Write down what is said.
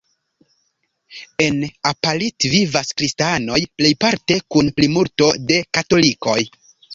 En Apalit vivas kristanoj plejparte kun plimulto de katolikoj.